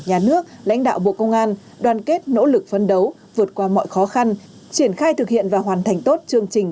nhà nước lãnh đạo bộ công an đoàn kết nỗ lực phấn đấu vượt qua mọi khó khăn triển khai thực hiện và hoàn thành tốt chương trình